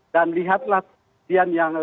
dan melihat latihan yang